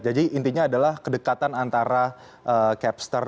jadi intinya adalah kedekatan antara capster